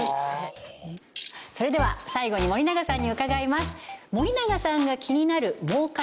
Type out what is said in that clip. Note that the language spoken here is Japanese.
それでは最後に森永さんに伺います教えてください